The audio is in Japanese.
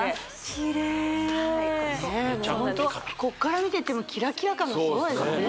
キレイねえホントこっから見ててもキラキラ感がすごいですね